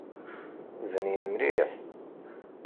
Bnin mliḥ!